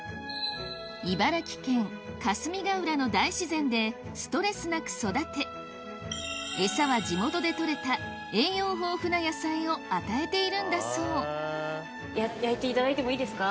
茨城県霞ヶ浦の大自然でストレスなく育てエサは地元で採れた栄養豊富な野菜を与えているんだそう焼いていただいてもいいですか？